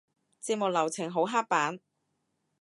節目流程好刻板？